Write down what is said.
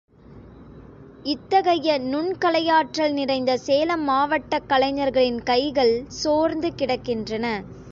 இத்தகைய நுண் கலையாற்றல் நிறைந்த சேலம் மாவட்டக் கலைஞர்களின் கைகள் சோர்ந்து கிடக்கின்றன.